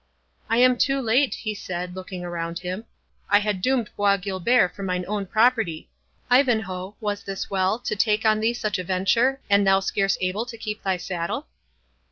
"I am too late," he said, looking around him. "I had doomed Bois Guilbert for mine own property.—Ivanhoe, was this well, to take on thee such a venture, and thou scarce able to keep thy saddle?"